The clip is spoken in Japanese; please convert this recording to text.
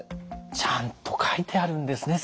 ちゃんと書いてあるんですね